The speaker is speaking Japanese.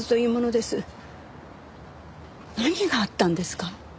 何があったんですか？